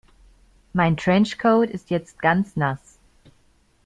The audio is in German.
Mein Trenchcoat ist jetzt ganz nass.